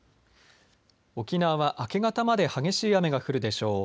沖縄は明け方まで激しい雨が降るでしょう。